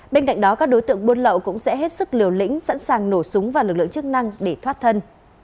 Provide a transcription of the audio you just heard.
bên cạnh đó các đối tượng buôn lậu cũng sẽ hết sức liều lĩnh sẵn sàng nổ súng vào lực lượng chức năng để thoát thân